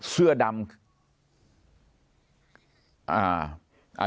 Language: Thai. เสื้อดำ